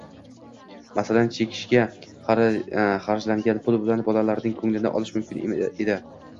Masalan, chekishga xarjlangan pul bilan bolalarning ko'nglini olish mumkin edi.